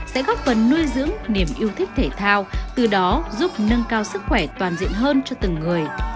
sẽ góp phần nuôi dưỡng niềm yêu thích thể thao từ đó giúp nâng cao sức khỏe toàn diện hơn cho từng người